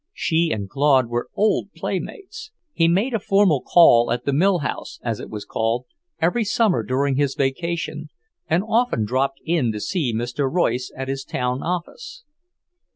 She and Claude were old playmates; he made a formal call at the millhouse, as it was called, every summer during his vacation, and often dropped in to see Mr. Royce at his town office.